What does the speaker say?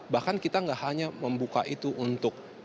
bahkan kita nggak hanya membuka itu untuk